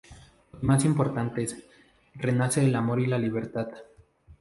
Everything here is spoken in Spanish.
Los más importantes: renace el amor y la libertad.